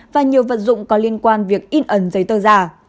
và nhiều vật dụng có liên quan việc in ấn giấy tờ giả